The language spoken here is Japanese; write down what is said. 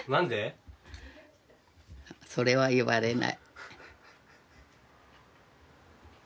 それは言われない。